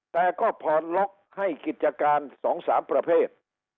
แต่ก็ผ่อนล็อกให้กิจการ๒๓ประเภท